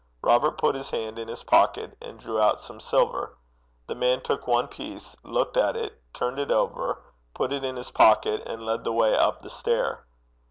Robert put his hand in his pocket and drew out some silver. The man took one piece looked at it turned it over put it in his pocket, and led the way up the stair.